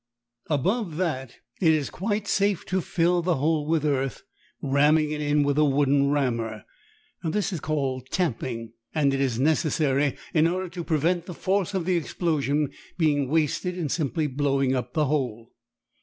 Above that it is quite safe to fill the hole with earth, ramming it in with a wooden rammer. This is called "tamping," and it is necessary in order to prevent the force of the explosion being wasted in simply blowing up the hole.